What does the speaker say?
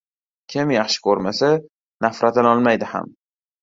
Kim yaxshi ko‘rmasa, nafratlanolmaydi ham;